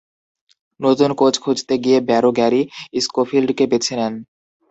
নতুন কোচ খুঁজতে গিয়ে ব্যারো গ্যারি স্কোফিল্ডকে বেছে নেন।